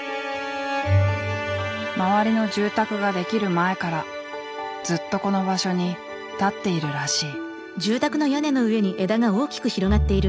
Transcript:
周りの住宅ができる前からずっとこの場所に立っているらしい。